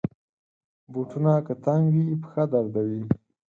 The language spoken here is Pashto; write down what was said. بوټونه که تنګ وي، پښه دردوي.